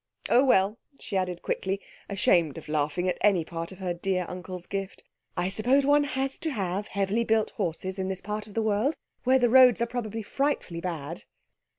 Oh, well," she added quickly, ashamed of laughing at any part of her dear uncle's gift, "I suppose one has to have heavily built horses in this part of the world, where the roads are probably frightfully bad."